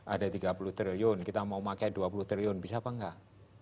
ada tiga puluh triliun kita mau pakai dua puluh triliun bisa apa enggak